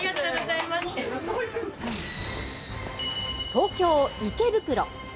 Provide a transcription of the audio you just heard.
東京・池袋。